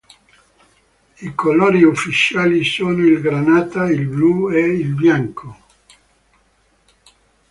I colori ufficiali sono il granata, il blu e il bianco.